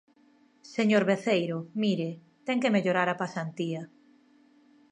Señor Veceiro, mire, ten que mellorar a pasantía.